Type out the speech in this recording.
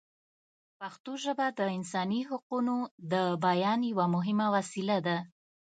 پښتو ژبه د انساني حقونو د بیان یوه مهمه وسیله ده.